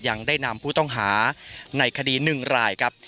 ยังได้นำผู้ต้องหาในคดี๑รายครับ